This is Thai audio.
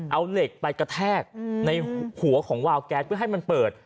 เอาเหล็กไปกระแทกในหัวของวาวแก๊สเพื่อให้มันเปิด